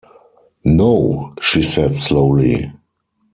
“No,” she said slowly.